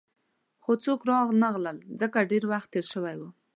خو څوک رانغلل، ځکه ډېر وخت تېر شوی وو.